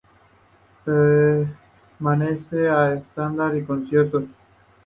Permanece como un estándar en conciertos.